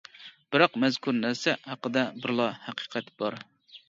بىراق مەزكۇر نەرسە ھەققىدە بىرلا ھەقىقەت بار.